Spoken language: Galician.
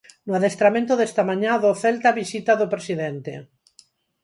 No adestramento desta mañá do Celta visita do presidente.